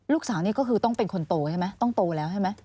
ลูกสาวนี่ก็คือต้องเป็นคนโตใช่ไหมต้องโตแล้วใช่ไหม